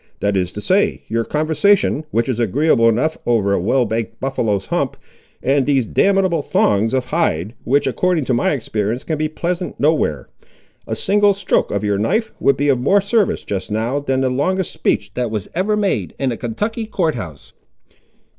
That is to say, your conversation, which is agreeable enough over a well baked buffaloe's hump, and these damnable thongs of hide, which, according to my experience, can be pleasant nowhere. A single stroke of your knife would be of more service, just now, than the longest speech that was ever made in a Kentucky court house."